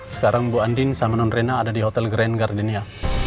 sekarang bu andin sama nonrena ada di hotel grand gardenia